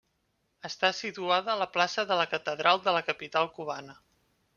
Està situada a la plaça de la Catedral de la capital cubana.